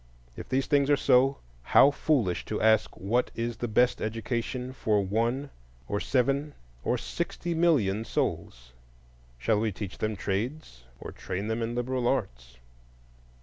If these things are so, how foolish to ask what is the best education for one or seven or sixty million souls! shall we teach them trades, or train them in liberal arts?